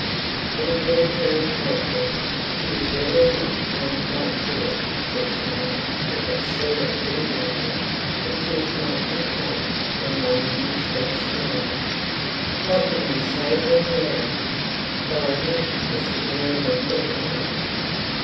'It has been his own fault then. She was ready enough. I am quite sure,' said Charlotte, with that sort of ill nature which is not uncommon when one woman speaks of another. 'What will you say to him now?' By 'him' the signora meant their father.